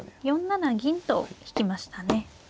４七銀と引きましたね。